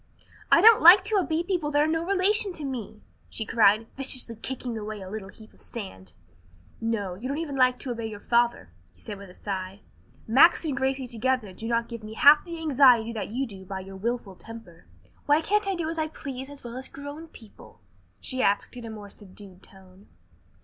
"I don't like to obey people that are no relation to me!" she cried, viciously kicking away a little heap of sand. "No, you don't even like to obey your father," he said with a sigh. "Max and Gracie together do not give me half the anxiety that you do by your wilful temper." "Why, can't I do as I please as well as grown people?" she asked in a more subdued tone.